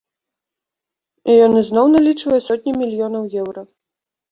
І ён ізноў налічвае сотні мільёнаў еўра.